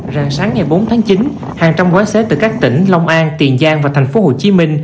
ràng sáng ngày bốn tháng chín hàng trăm quái xế từ các tỉnh long an tiền giang và tp hcm